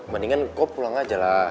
kaya attack anka juga